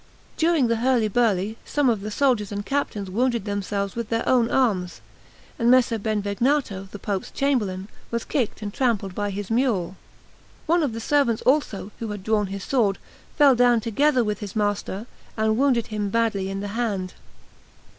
During this hurly burly, some of the soldiers and captains wounded themselves with their own arms; and Messer Benvegnato, the Pope's chamberlain, was kicked and trampled by his mule. One of the servants also, who had drawn his sword, fell down together with his master, and wounded him badly in the hand.